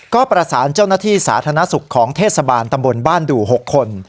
ก็ประสานเจ้าหน้าที่สาธารณสุขของเทศบาลตำบลบ้านดู่๖คน